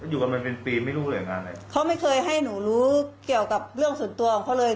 อยู่กันมาเป็นปีไม่รู้หน่วยงานไหนเขาไม่เคยให้หนูรู้เกี่ยวกับเรื่องส่วนตัวของเขาเลย